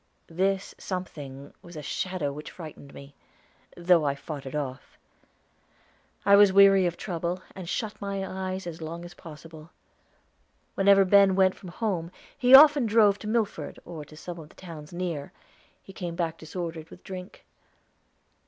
This something was a shadow which frightened me, though I fought it off. I was weary of trouble, and shut my eyes as long as possible. Whenever Ben went from home, and he often drove to Milford, or to some of the towns near, he came back disordered with drink.